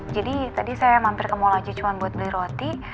jadi tadi saya mampir ke mall aja cuma buat beli roti